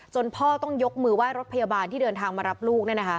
พ่อต้องยกมือไหว้รถพยาบาลที่เดินทางมารับลูก